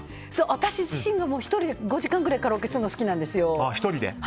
私自身が１人で５時間ぐらいカラオケするの好きなんですよ。